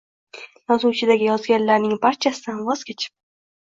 Yozuvchidagi yozganlarining barchasidan voz kechib